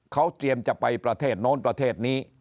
เขาเตรียมจะไปประเทศโน้นประเทศนี้